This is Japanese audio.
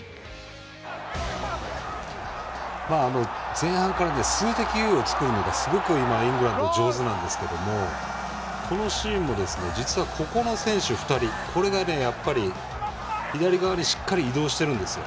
前半から数的優位を作るのがすごくイングランド上手なんですけれどもここのシーンも、実はここの選手２人、これが左側にしっかり移動してるんですよ。